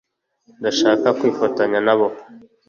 Ndashaka kwifatanya nabo